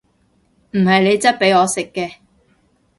唔係你質俾我食嘅！